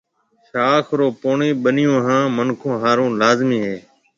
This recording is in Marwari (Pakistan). شاخ رو پوڻِي ٻنِيون هانَ مِنکون هارون لازمِي هيَ۔